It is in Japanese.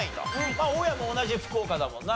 まあ大家も同じ福岡だもんな？